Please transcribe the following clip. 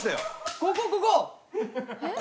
ここここ！